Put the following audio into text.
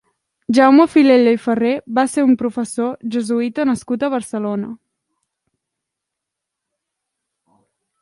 Jaume Filella i Ferrer va ser un professor jesuïta nascut a Barcelona.